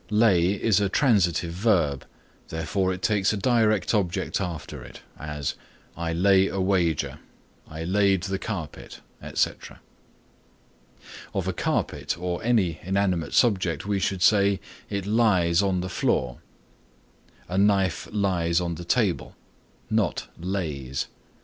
Lay is a transitive verb, therefore it takes a direct object after it; as "I lay a wager," "I laid the carpet," etc. Of a carpet or any inanimate subject we should say, "It lies on the floor," "A knife lies on the table," not lays.